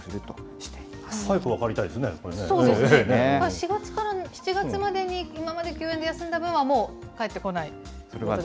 ４月から７月までに、今まで休園で休んだ分はもう返ってこない？